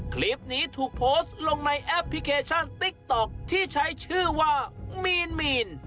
คลิปนี้ถูกโพสต์ลงในแอปพลิเคชันติ๊กต๊อกที่ใช้ชื่อว่ามีนมีน